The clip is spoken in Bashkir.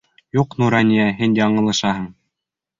Юҡ, Нурания, һин яңылышаһың!